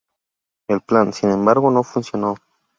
El plan, sin embargo, no funcionó.